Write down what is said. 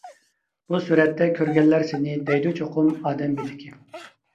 بۇ سۈرەتتە كۆرگەنلەر سېنى، دەيدۇ چوقۇم ئادەم بېدىكى.